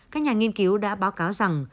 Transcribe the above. các nhà nghiên cứu đã báo cáo rằng